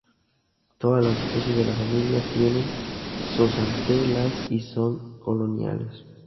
Todas las especies de la familia tienen zooxantelas y son coloniales.